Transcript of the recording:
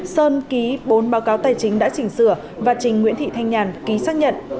sơn ký bốn báo cáo tài chính đã chỉnh sửa và trình nguyễn thị thanh nhàn ký xác nhận